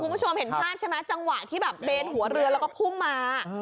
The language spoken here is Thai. คุณผู้ชมเห็นภาพใช่ไหมจังหวะที่แบบเบนหัวเรือแล้วก็พุ่งมา